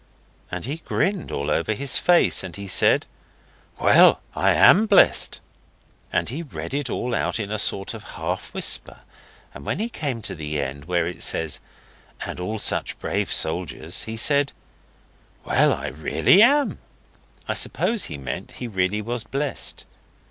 And he grinned all over his face, and he said 'Well, I AM blessed!' And he read it all out in a sort of half whisper, and when he came to the end, where it says, 'and all such brave soldiers', he said 'Well, I really AM!' I suppose he meant he really was blessed.